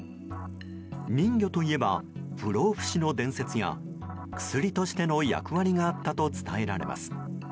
人魚といえば不老不死の伝説や薬としての役割があったと伝えられます。